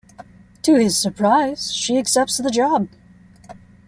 To his surprise, she accepts the job.